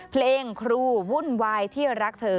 เพลงครูวุ่นวายที่รักเธอ